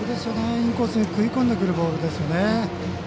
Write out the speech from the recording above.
インコースに食い込んでくるボールですね。